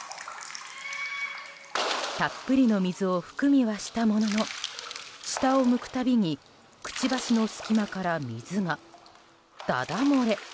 たっぷりの水を含みはしたものの下を向くたびにくちばしの隙間から水が、だだ漏れ。